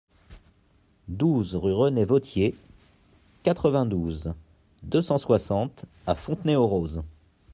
douze rue René Vauthier, quatre-vingt-douze, deux cent soixante à Fontenay-aux-Roses